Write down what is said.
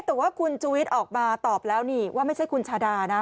แต่ว่าคุณชูวิทย์ออกมาตอบแล้วนี่ว่าไม่ใช่คุณชาดานะ